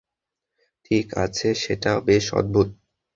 ঠিক আছে, এটা বেশ অদ্ভুত।